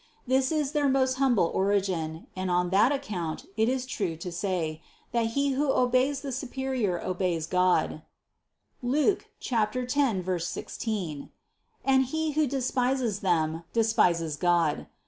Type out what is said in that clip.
This is their most humble ori gin, and on that account it is true to say, that he who obeys the superior obeys God (Luc. 10, 16), and he who despises them, despises God.